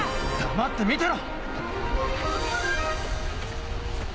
黙って見てろ！